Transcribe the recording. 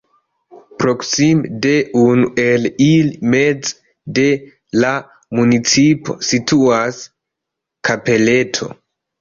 Proksime de un el ili, meze de la municipo, situas kapeleto.